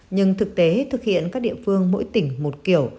nhưng thực tế thực hiện các địa phương mỗi tỉnh một kiểu